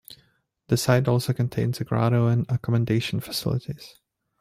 The site also contains a grotto and accommodation facilities.